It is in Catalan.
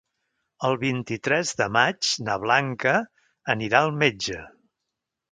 El vint-i-tres de maig na Blanca anirà al metge.